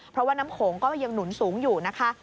เพราะว่าน้ำโขงก็ยังหนุนสูงอยู่นะคะ